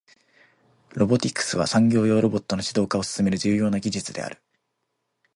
ロボティクスは、産業用ロボットの自動化を進める重要な技術である。